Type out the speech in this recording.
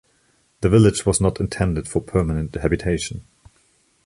The village was not intended for permanent habitation.